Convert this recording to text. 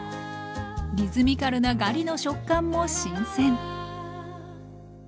リズミカルなガリの食感も新鮮